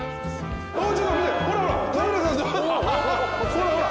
ほらほら。